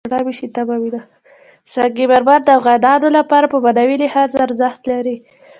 سنگ مرمر د افغانانو لپاره په معنوي لحاظ ارزښت لري.